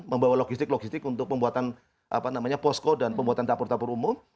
membawa logistik logistik untuk pembuatan posko dan pembuatan dapur dapur umum